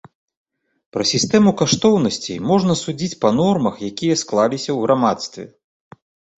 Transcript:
Пра сістэму каштоўнасцей можна судзіць па нормах, якія склаліся ў грамадстве.